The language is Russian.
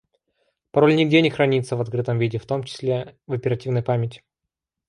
Пароль нигде не хранится в открытом виде, в том числе в оперативной памяти